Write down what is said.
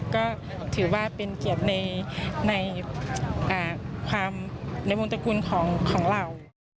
ก็ถือว่าเป็นเกียรติในความในวงตระกูลของเรา